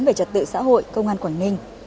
về trật tự xã hội công an quảng ninh